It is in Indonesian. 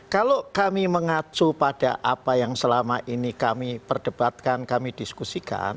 kalau kami mengacu pada apa yang selama ini kami perdebatkan kami diskusikan